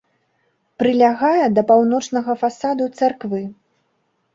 Прылягае да паўночнага фасаду царквы.